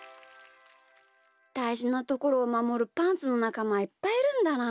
だいじなところをまもるパンツのなかまはいっぱいいるんだな。